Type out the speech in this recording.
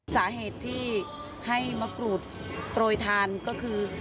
สาเหตุที่ให้มะกรูดโปรยทานก็คือ